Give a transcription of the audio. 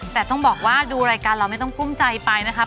แต่ต้องบอกว่าดูรายการเราไม่ต้องกุ้มใจไปนะครับ